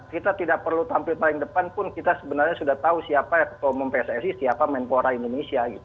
kita tidak perlu tampil paling depan pun kita sudah tahu siapa yang mempengaruhi pssi siapa yang mempengaruhi indonesia